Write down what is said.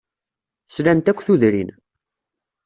Slant akk tudrin.